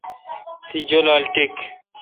تی جولال ٹیک۔